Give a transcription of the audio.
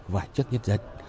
và trước nhân dân